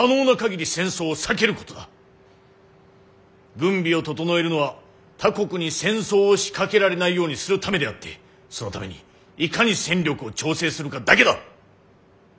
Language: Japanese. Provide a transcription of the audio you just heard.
軍備を調えるのは他国に戦争を仕掛けられないようにするためであってそのためにいかに戦力を調整するかだけだ！